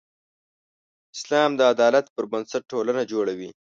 اسلام د عدالت پر بنسټ ټولنه جوړوي.